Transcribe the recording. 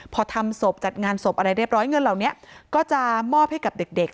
พอทำศพจัดงานศพอะไรเรียบร้อยเงินเหล่านี้ก็จะมอบให้กับเด็ก